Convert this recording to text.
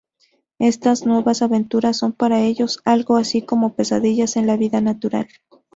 Éstas nuevas aventuras, son para ellos, algo así como pesadillas en la "vida natural".